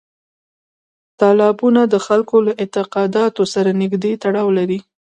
تالابونه د خلکو له اعتقاداتو سره نږدې تړاو لري.